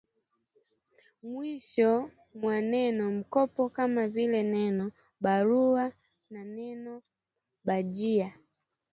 mwishoni mwa maneno mkopo kama vile neno ‘baruwa’ na neno ‘bajiya’